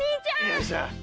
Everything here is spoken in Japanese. よいしょ。